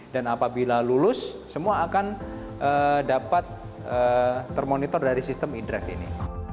dan apabila lulus semua akan dapat termonitor dari sistem e drive ini